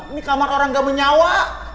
ini kamar orang ga bernyawa